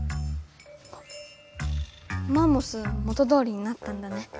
マンモス元どおりになったんだね。